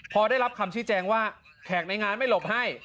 พอได้รับคำชี้แจงว่าแขกในงานไม่หลบให้